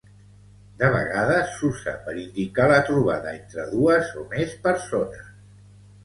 De vegades s'usa per indicar la trobada entre dues o més persones.